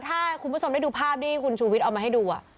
ถ้าคุณผู้ชมได้ดูภาพที่คุณชูวิทย์เอามาให้ดู